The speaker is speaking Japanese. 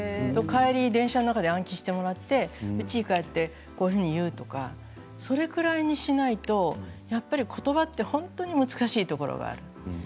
帰りに電車の中で暗記してもらってうちに帰ってこういうふうに言うとかそれぐらいしないと言葉は本当に難しいところがある。